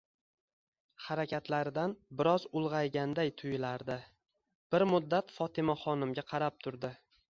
Harakatlaridan biroz ulg'ayganday tuyulardi. Bir muddat Fotimaxonimga qarab turdi.